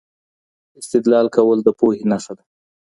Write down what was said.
استدلال کول د پوهي نښه ده.